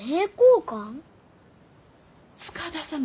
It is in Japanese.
塚田様